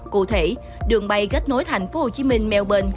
cụ thể đường bay kết nối tp hcm melbourne